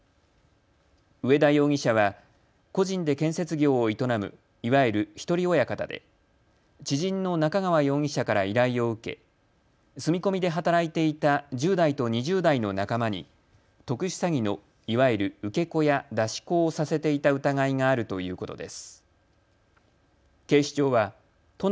植田容疑者は個人で建設業を営むいわゆる１人親方で知人の中川容疑者から依頼を受け住み込みで働いていた１０代と２０代の仲間に特殊詐欺の、いわゆる受け子や出し子をさせていた疑いがあるということです。